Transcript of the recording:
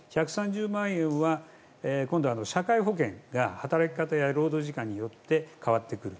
１３０万円は、今度は社会保険が働き方や労働時間によって変わってくる。